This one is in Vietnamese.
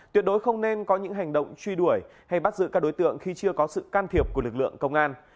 tuyệt đối không nên có những hành động truy đuổi hay bắt giữ các đối tượng khi chưa có sự can thiệp của lực lượng công an